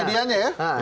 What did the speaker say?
karena medianya ya